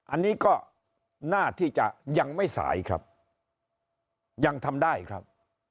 อันนี้ก็น่าที่จะยังไม่สายครับยังทำได้ครับ